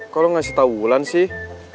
kok lo ngasih tau wulan sih